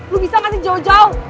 lu bisa gak sih jauh jauh